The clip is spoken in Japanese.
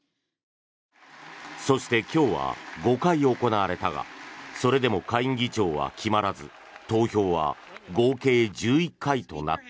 そして今日は５回行われたがそれでも下院議長は決まらず投票は合計１１回となった。